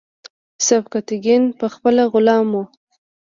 سبکتیګن پخپله غلام و.